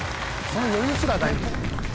その余裕すらないんだよ。